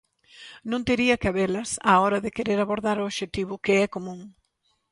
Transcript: Non tería que habelas á hora de querer abordar o obxectivo, que é común.